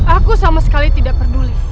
aku sama sekali tidak peduli